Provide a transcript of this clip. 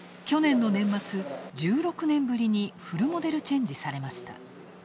去年の年末１６年ぶりにフルモデルチェンジされました。